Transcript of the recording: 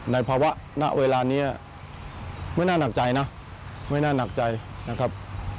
ในภาวะณเวลานี้ไม่น่าหนักใจนะไม่น่าหนักใจนะครับ